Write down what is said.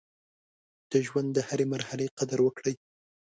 د ژوند د هرې مرحلې قدر وکړئ.